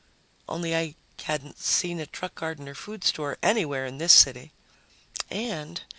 Only ... I hadn't seen a truck garden or food store anywhere in this city. And